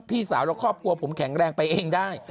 พี่สาวและครอบครัวผมแข็งแรงไปเองได้